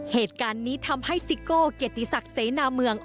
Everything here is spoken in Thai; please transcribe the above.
เหตุการณ์นี้ทำให้ซิโก้เกียรติศักดิ์เสนาเมือง